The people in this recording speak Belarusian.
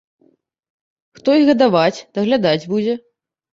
Хто іх гадаваць, даглядаць будзе?